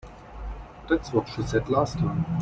That's what she said the last time.